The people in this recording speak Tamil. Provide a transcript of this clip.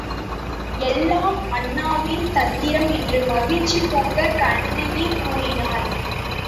எல்லாம் அண்ணாவின் தந்திரம் என்று மகிழ்ச்சி பொங்கக் கண்ணகி கூறினாள்.